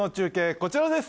こちらです